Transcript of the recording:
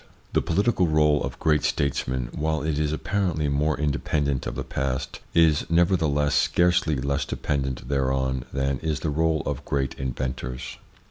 The political role of great statesmen, while it is apparently more independent of the past, is, never theless, scarcely less dependent thereon than is the role of great inventors.